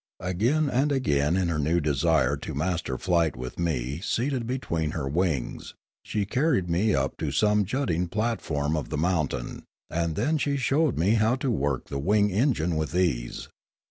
Again and again in her new desire to master flight with me seated between her wings, she carried me up to some jutting platform of the mountain: and then she showed me how to work the wing engine with ease.